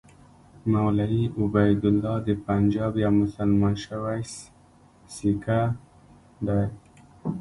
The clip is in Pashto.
مولوي عبیدالله د پنجاب یو مسلمان شوی سیکه دی.